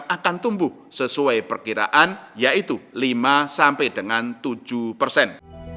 kebijakan akan tumbuh sesuai perkiraan yaitu lima tujuh persen